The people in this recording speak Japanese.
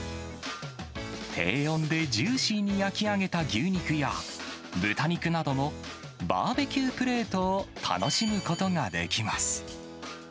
低温でジューシーに焼き上げた牛肉や、豚肉などのバーベキュープレートを楽しむことができます。